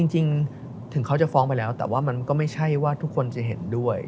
จริงถึงเขาจะฟ้องไปแล้วแต่ว่ามันก็ไม่ใช่ว่าทุกคนจะเห็นด้วย